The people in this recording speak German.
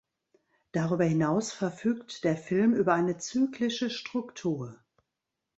Darüber hinaus verfügt der Film über eine zyklische Struktur.